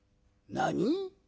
「何？